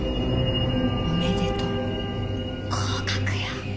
おめでとう合格よ。